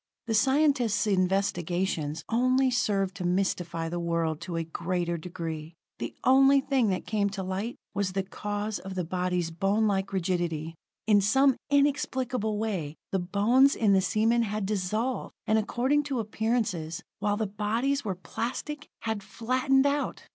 The scientists' investigations only served to mystify the world to a greater degree. The only thing that came to light was the cause of the bodies' bonelike rigidity. In some inexplicable way the bones in the seamen had dissolved, and according to appearances, while the bodies were plastic, had flattened out.